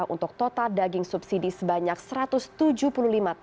untuk total daging subsidi sebanyak rp satu ratus tujuh puluh lima